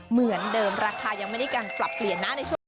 เหมือนเดิมราคายังไม่ได้การปรับเปลี่ยนนะในช่วงนี้